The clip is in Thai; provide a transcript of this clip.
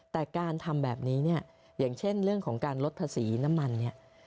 แต่การทำแบบนี้เนี่ยอย่างเช่นเรื่องของการลดภาษีน้ำมันเนี่ย